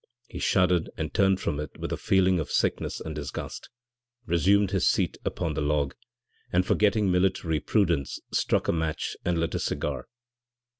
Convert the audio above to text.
He shuddered and turned from it with a feeling of sickness and disgust, resumed his seat upon the log, and forgetting military prudence struck a match and lit a cigar.